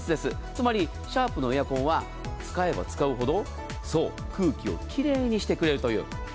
つまり、シャープのエアコンは使えば使うほど空気を奇麗にしてくれるという。